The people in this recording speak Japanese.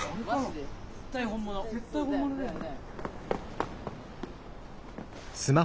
絶対本物だよね。